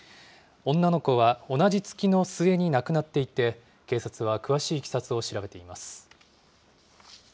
女の子は同じ月の末に亡くなっていて、警察は詳しいいきさつを調べています。